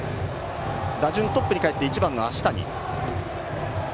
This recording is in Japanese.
打順はトップにかえって１番の足谷。